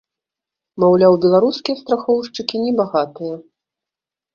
Маўляў, беларускія страхоўшчыкі небагатыя.